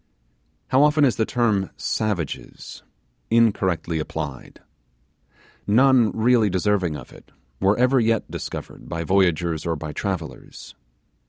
How often is the term 'savages' incorrectly applied! None really deserving of it were ever yet discovered by voyagers or by travellers.